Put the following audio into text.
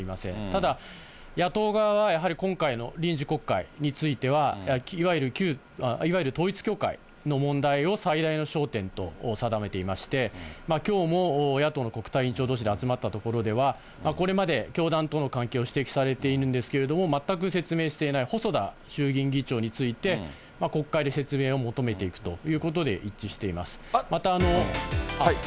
ただ野党側はやはり今回の臨時国会については、いわゆる旧統一教会の問題を最大の焦点と定めていまして、きょうも野党の国対委員長どうしで集まったところでは、これまで教団との関係を指摘されているんですけれども、全く説明していない細田衆議院議長について、国会で説明を求めていくということで一致しています。